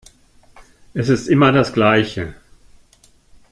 Es ist immer das Gleiche.